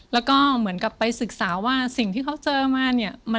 แล้วก็เหมือนกับไปศึกษาว่าสิ่งที่เขาเจอมาเนี่ย